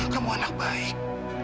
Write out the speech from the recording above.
kamu anak baik